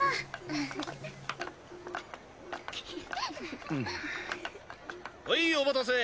はいお待たせ。